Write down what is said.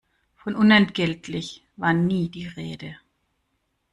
Von unentgeltlich war nie die Rede.